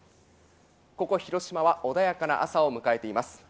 ここ広島は穏やかな朝を迎えています。